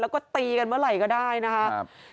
แล้วก็ตีกันเมื่อไหร่ก็ได้นะครับ